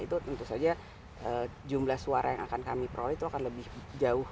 itu tentu saja jumlah suara yang akan kami peroleh itu akan lebih jauh